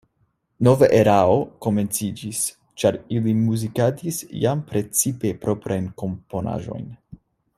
Nova erao komenciĝis, ĉar ili muzikadis jam precipe proprajn komponaĵojn.